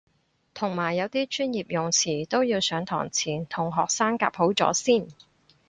同埋有啲專業用詞都要上堂前同學生夾好咗先